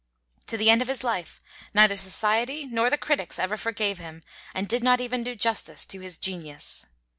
To the end of his life, neither society nor the critics ever forgave him, and did not even do justice to his genius.